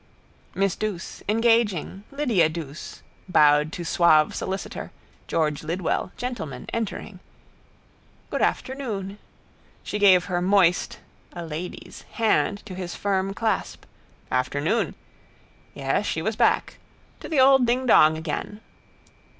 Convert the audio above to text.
Miss Douce, engaging, Lydia Douce, bowed to suave solicitor, George Lidwell, gentleman, entering. Good afternoon. She gave her moist (a lady's) hand to his firm clasp. Afternoon. Yes, she was back. To the old dingdong again.